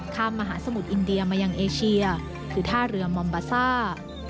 ข้ามมหสมุดอินเดียมาอย่างเอเชียกือท่าเรือมมบาซ่า